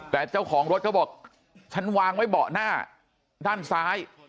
แต่เจ้าของรถเขาบอกฉันวางไว้เบาะหน้าด้านซ้าย